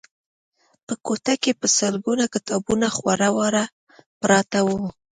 په کوټه کې په سلګونه کتابونه خواره واره پراته وو